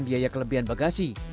biaya kelebihan bagasi